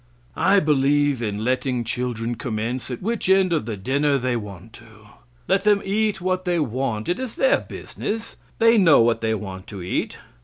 I believe in letting children commence at which end of the dinner they want to. Let them eat what they want. It is their business. They know what they want to eat.